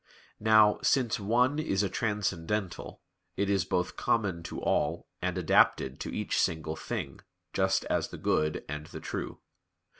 Now, since "one" is a transcendental, it is both common to all, and adapted to each single thing, just as the good and the true.